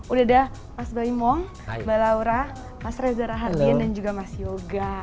udah ada mas belim wong mas laura mas reza rahadian dan juga mas yoga